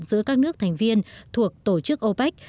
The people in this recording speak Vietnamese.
giữa các nước thành viên thuộc tổ chức opec